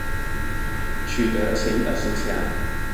取得前二十強